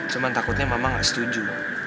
cuman takutnya mama gak setuju